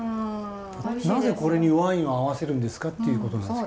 なぜこれにワインを合わせるんですかっていうことなんですけど。